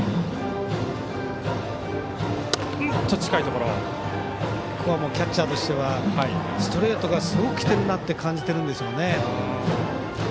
ここはキャッチャーとしてはストレートがすごくきているなって感じてるんでしょうね。